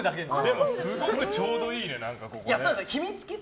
でも、すごくちょうどいいね。